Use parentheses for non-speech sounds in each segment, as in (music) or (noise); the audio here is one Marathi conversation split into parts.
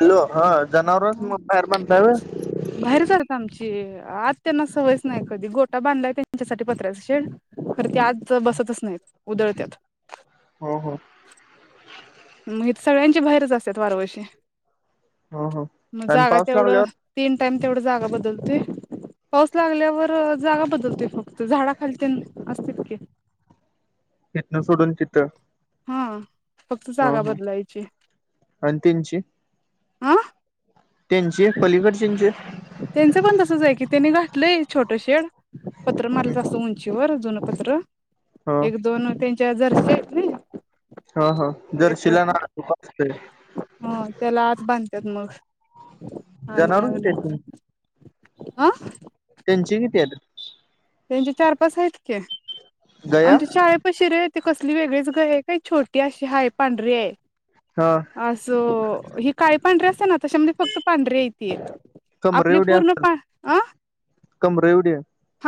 हॅलो हा जनावरच ह मग बाहेर बांधताय व्हय बाहेरचारत आमची आत त्यांना सवयच नाही कधी. गोटा बांधलाय त्यांच्यासाठी पत्र्याचा शेड खर ते आत बसतच नाहीत. उदळत्यात. हो हो म हित सगळ्यांचे बाहेरच आसत्यात वार वर्षी. हो हो आणि पाऊस लागल्यावर? त्याम तेवढ जागा बदलतूय. पाऊस लागल्यावर जागा बदलतोय फक्त झाडाखाली तेन असत्यात की. तीथनं सोडून तिथं. हम्म्म. ह ह अनी तेंची. आ? त्यांचे पलीकडच्यांचे? त्यांचं पण तसच आहे की त्यांनी घातलय छोट शेड. पत्र मारलत अस उंचीवर. दोन पत्र ह एक दोन ते च्या जरशी हायत नाही. हा हा जर्शीिला ना खूप असतय. ह त्याला आत बांत्यात मग. जनावर किती आहेत तुमची (unintelligible) आं? त्यांची किती हायत? त्यांची चार, पाच हायत की. गया आमच्या शाळेपशी रे ते कसली वेगळीच गाय ये काय छोटी अशी हाय पांढरीे ये. हा असो ही काय? पण रसनात तशमध्ये फक्त पांढरे येती, कमरे आपली एवढी पूर्ण असतात पा आ कमरे एवढी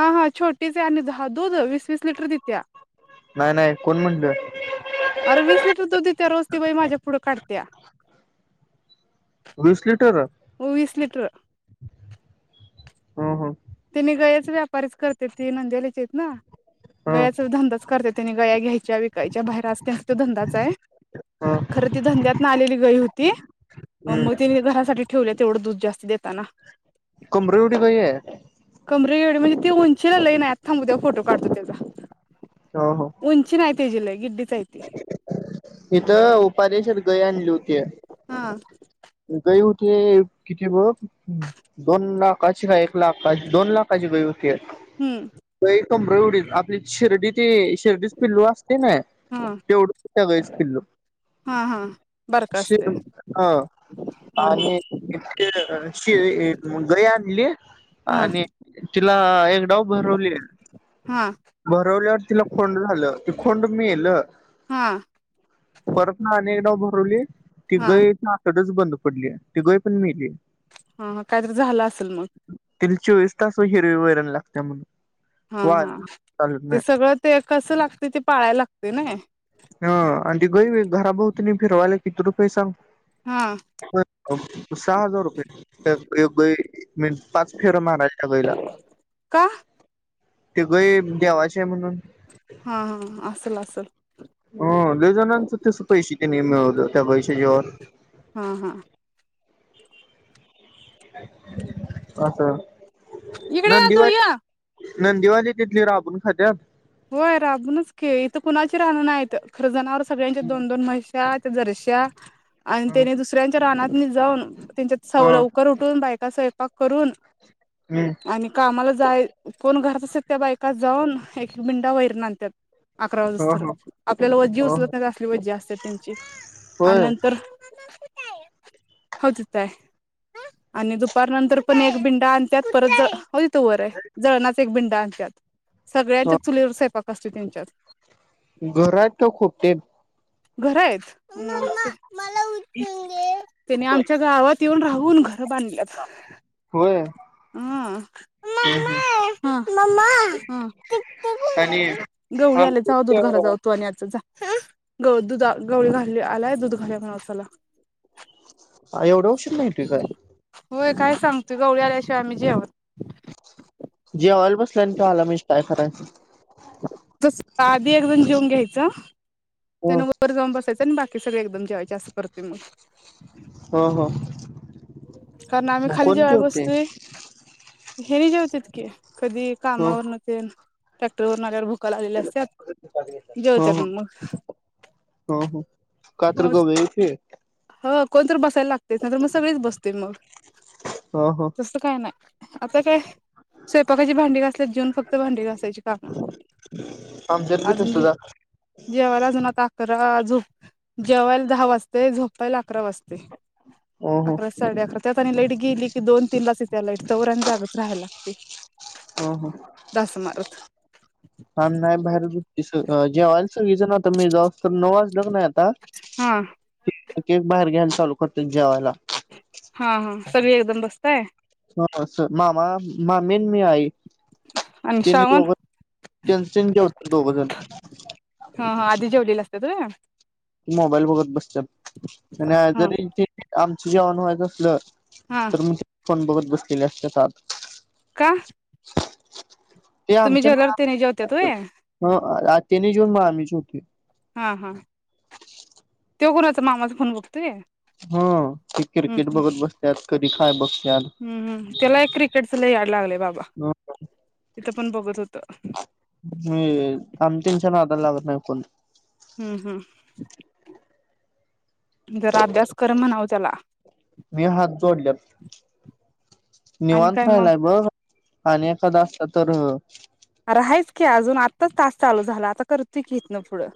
हा हा छोटीच ये आणि दहा दूध वीस वीस लिटर देतेया. नाही नाही कोण म्हणलं, अरे वीस लिटर दूध देत्या रोज ती बाई माझ्या पुढं काढत्या वीस लिटर? हो वीस लिटर. हं हं ते नी गायेच व्यापारीच करत्यात ते नांदिवलीचे येत ना. ह गायेचा धंदाच करत्यात. त्यानी गाया घ्याय विकायच्या बाहेर अस त्यांचा त्यो धंदाच आहे. ह खर ती धंद्यात ना आलेली गई होती हम्म मग तिने घरासाठी ठेवलीत. तेवढ दुध जास्त देत कमरे एवढी गय ये. कमरे एवढी म्हणजे ती उंचीला लई नाय, आता थांब उद्या फोटो काढतो तेजा. ह ह उंची नाय त्याजी लई गिडीच चयती. (unintelligible) गय आणली होती या, हा गय होती. किती बघ दोन लाखाची गाय एक लाखत दोन लाखाची हम्म गाय (inaudible) तोमरवडित आपली शिर्डी ती शिर्डीस पिल्लू असते नाय हा तेवढच (unintelligible) पिलु हा हा बारक असते (unintelligible) ह हा आणि हा शि गय आणली हा हा आणि तिला एक डाव भरवलीये. हा तिला खोंड झालं. ते खोंड मेल. हा परत ना अनेक नाव भरवली, ती हा गय आतडच बंद पडलीया ती गय पण मेली. हा हा काहीतरी झालं असेल मग! तिला चोवीस तास! हिरवी वैरण लागते म्हणून! हा हा ते सगळं ते कसं लागतय! ते पाहाया लागत! ते नाही ह आणि ती गाई घरा भोवतीनी फिरवायला किती रुपय सांग हा सहा हजार रुपये एक गाई म पाच फेरा मारायला त्या वेळेला! का तिघही देवाचे म्हणून हा हा (inaudible) ह.. लई जणांच तस पैशे मिळवलं! त्या बाईच्या जिवावर! हा... हा.. असं इकडे या तु नंदीवाली या नंदीवाली तिथली राबून खात्या होय राबूनच की! इथं कुणाची राहणं नाहीत! आहेत जनावरं सगळ्यांच्या ह दोन -दोन मैस्यात जराश्या आणि ह त्याने दुसऱ्यांच्या रानात नि जाऊन त्यांच्यात सवय हम्म लवकर उठून! बायका स्वयंपाक करून आणि कामाला जाय कोण घर तसे.. त्या बायकात जाऊन एक मुंडा वैरण आणत्यात अकरा ह वाजेस्तोवर ह आपल्याला ह जीव उचलत नाही! असली वजी असत्यात त्यांची! आणि होय नंतर हो तथय आणि दुपार नंतर पण एक बिंडा आणतत परत हो द तो वरे जळणच एक भिंडा आणतात सगळ्यांच कले सयपाक असते त्यांच्यात घरात तर खूप ते घर आहेच मला उने आमच्या गावात येऊन राहू कोन बांध होय हम् म म आणि गवळी आम आल्याचा दूध घरा जाऊतो आणि ग दुध गवळी घाली आलाय दूध घाल म्हणला हा एवढं उशीर नाही त काय होय काय सांगतूय गवळी आल्याशिवाय आ्ही जेवत जेवायला बस ते्हाला मि काय खराय (unintelligible) तस आधी अदून जेवन घ्यायचं ह त्याना वर जााऊन बसायचं आणि बाकी क सरी एकदम जेवायचे असं करते मग ह ह कारण आम्ही मग खाली कोण जेवय जेवते बस्तू हेरी जवतत की कधी ह कामावर नक ट्रॅक्टर वर ह ह मग. ह ह का तर गबची हो कोणत बस मग सगच बस म ह ह त का नाही आता काय स्वयकाची भांडी घासल्या जेवून फक्त भांडी घासायची का आमच्यात बी अ तसच ह जेवा झप जेवायला दहा वाजते झोप झोपायला अकरा वाजता ह अकरा साडे अकरा त्यात आणि लाईट गेली की दोन तीन तस त्या लाईट चवरण जागच राहाय लागते हो हो डास मारत आणि नाही बाहेर जे्हाला सगचं ना त म्ही जाऊस तर नवाज उलग नाही आता हा एक एक बाहेर घ्यायला चालू करते जेवायला हा हा सगळी एकदम बस्तय ह मामा, मामी अन मी, आई ते आणि दोघ त्यांचे होत दोघंजण. केतय (unintelligible) मोबाईल बघत बसत्यात आणि हा जरी ते आमच जेवण हो आई बसलं. हा तर म्हणजे फोन बघत बसलेल्या एकट्याच आत. का ते तुम्ही जेवल्यावर आमच्याने त्याने जेवत्यात व्हय जेऊन (unintelligible) (unintelligible) हा हा ते कोणाचा मामाचा हा ते हम्म क्रिकेट हम्म बघत बसत्यात, कधी काय बघत्यात. हम्म हम्म त्याला एक क्रिकेटच लय याड लागलंय बाबा तिथं पण बघत होत. मी अन त्यांच्या नादाला लागत नाही कोण. हम्म हम्. जरा अभ्यास कर म्हनाव. त्याला मी हात जोडल्यात. आणि निवांत काय मग राहिलाय बघ आणि एखादा अत्तर अ अर हायेच की अजून आत्ताच टास्क चालू झाला. आता करतय की इथंन न पुढं.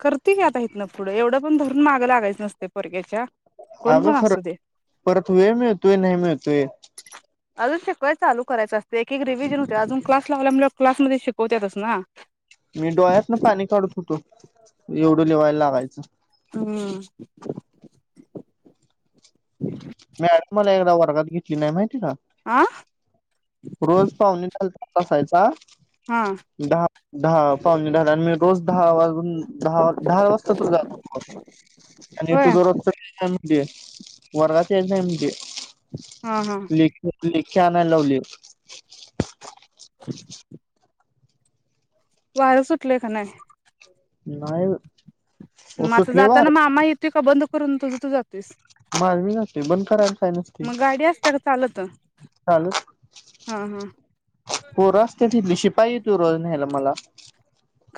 करती की आता इथन ना पुढं एवढं कोण धरून माग लागतंय का? बीसीनेस पेपर आहे घ्यायच्या. आग खर, परत वेळ मिळतोय नाही मिळतोय. अग सेपरेट चालू करायच असत एक एक रिविल मी म्हणते अजून क्लास लावल्यामुळे क्लासमध्ये शिकवत्यातच ना. मी डोळ्यातन पाणी काढू शकतो. एवढं तू लिवायला लावायचं. (inaudible) मॅडमनी मला एकदा वर्गात घेतली नाही माहितीये. माहिती आ का? रोज पाहुणे चालत. बसायचा. हा दहा, पावणे दहा मी रोज दहा वाजून हम्म दहा दहा वाजता जाण होत आणि होय तू दररोजच ते वरात. नमजे हा हा (unintelligible) लिख कॅमॅन लव्ह ल्यू (unintelligible) वहेर सुटलं का नाही नाहीय मझ जाताना मामा येत तू का बंद करून तुझ तू जातेस. माल म जाते बंद करायला य नसती. त्ता (unintelligible) चाल हो रस्त तिथली शि पाहि तू रोज न्याला मला.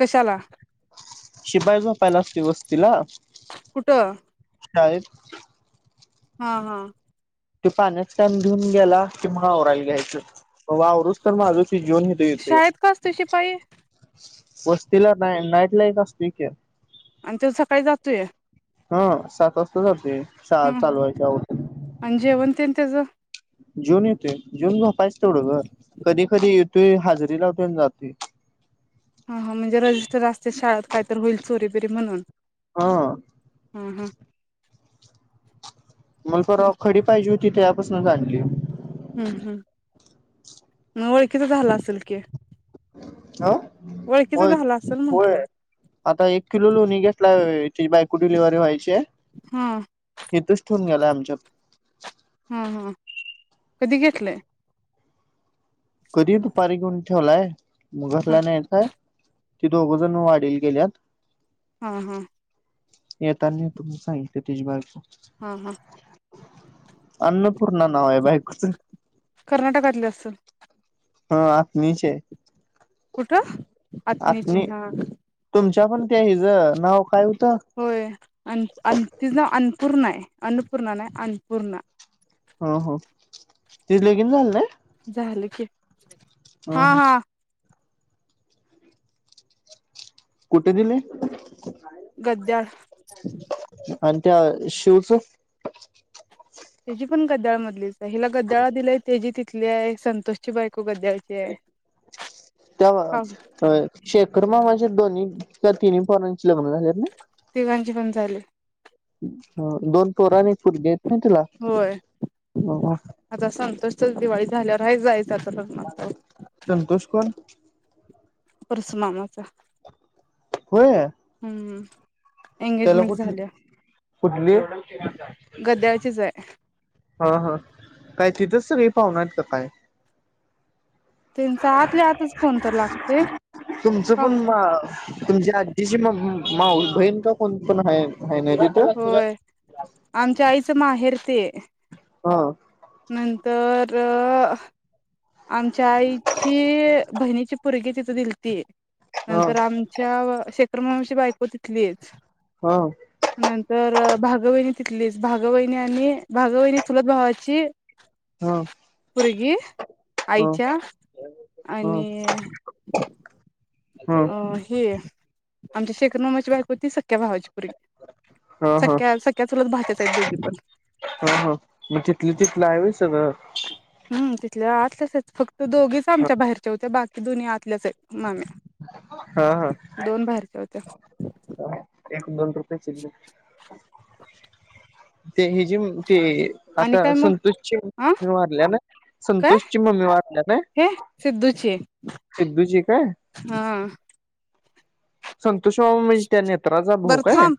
पशाला शिपाय झोपायला असते वस्तीला कुठं शाळेत हा हा ते पाण्याच काम घेऊन गेला. की मग आवरायला घ्यायचं कव्हा आवरून तर माझा शाळेत का असतोय शिपाई? वस्तीला नाही, नाईट ला ऐक असतोय की. आमच्यात सकाळी जातोय हा सात वाजता जातोय. शाळा हम्म चालू व्हायचा अगोदर आणि जेवण तेन तेज जेऊन येतोय जेऊन जा पा तेवडं ग कधी कधी होय हाजरी लावतोय आणि जातोय. हा म्हणजे रजिस्टर असते शाळात कायत होईल चोरी बिरी म्हणून. हा हा हा मग फ खडी पाहिजे होती. ते तेजा पासनच आणलय हम्म हम् मग ओळखीच झाला असेल की आ ओळखीचा होय झाला असेल होय म्हंटलं आता एक किलो लोणी घेतलाय तेजी बायको डिलीव्हरी वव्हायची हाय. हा कठून गेला आमच्या हा हा कधी घेेतलय कधी दुपारी घेऊन ठवलाय मुगास हा ला न्ह्याचं आहे. ती दोघ जण वाडीला गेल्यात. हा हा येतान येतो म्हणून सांगितल्या तूझी बायको हा हा अन्न पूर्ण नाव आहे बायकोचं कर्नाटकातली असंल ह आत्मीची आहे कुठं आथनी ची आत्मी हा, तुमच्या पण त्या हिज नाव काय होतं होय आण आण तिच नाव पूर्ण आहे अन्नपूर्णा नाही अन्पूर्णा. हो हो तिचं लगिन झालं नाही झालं की ह हा ह हा कुठे दिलय गद्द्याळ आणि त्या शिवच तेजी पण गद्द्याळ मधलीच आहे हिला गद्द्याळला दिलंय तेजी तिथली हिथली आहे संतोषची बायको गद्याळची आहे त्याव्हा पाहू अ शेखर मामाच्या दोन्ही त्या तिन्ही पोरांची लग्न झाल्यात ना तिघांची पण झाले. ह दोन पोरं आणि एक पोरगी आहेत ना तेला होय नाही जायच संतोष कोण परसु मामाचा. होय हम्म त्याला एंगेजमेंट कुठ झाल्या कुठली? गद्याळचीच आहे हा हा काय तिथंच सगळे पाहुण हायत का काय. त्यांच आतल्या आतच कोणत लागतय तुमचं पण माऊस बहीण का कोण पण आहे आहे ना तिथं होय, आमच्या आईचं माहेर. ते हो नंतर आमच्या आईची बहिणीची पुरगी तिथ दिलती. ह नंतर आमच्या शे त्रमवंशी बायको तिथलीच ह नंतर भागवहिणी तिथलीच भागवहिणी आणि भागवहिणी चुलत भावाची ह ह पुरगी आईच्या, ह ह आणि अं, हे आमच्या शेकनमामाची बायको ती सक् हां-हां, सख्या चुलत भाच्याच आहेत दोघी पण हां-हां म तथली तिथला हाय वय सगळं. हम्म तिथले आ तसच फक्त ते दोघीच आमच्या बाहेरचे होते बा दुनि आत तल्याच आहेत माम्या, हा हा दोन बाहेरच्या होत्या एक दोन रुप बेचगडं ते हे जे म ते आणि आता काय मग संतोषची अ मम्मी वारल्या ना काय संतोष ची मम्मी वारल्या ना हे सिद्धूची सिद्धूची काय? हा संतोषमामा म्हणजे त्या नेत्राचा भाऊ बरं काय? थांब